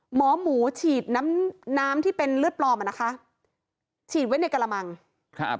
หมอหมูฉีดน้ำน้ำที่เป็นเลือดปลอมอ่ะนะคะฉีดไว้ในกระมังครับ